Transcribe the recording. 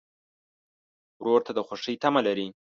ورور ته د خوښۍ تمه لرې.